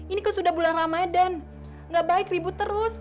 ini kan sudah bulan ramadhan gak baik ribut terus